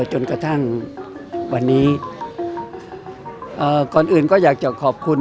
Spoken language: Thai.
จนกระทั่งวันนี้ก่อนอื่นก็อยากจะขอบคุณ